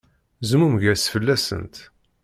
Zmumeg-as fell-asent.